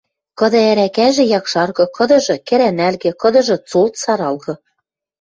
Кыды ӓрӓкӓжӹ – якшаргы, кыдыжы – кӹрӓнӓлгӹ, кыдыжы – цолт саралгы.